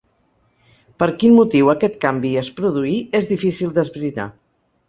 Per quin motiu aquest canvi es produí és difícil d’esbrinar.